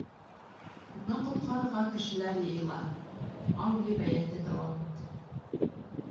— Уны ҡотҡарырға кешеләр йыйыла, — Маугли бәйәнде дауам итте.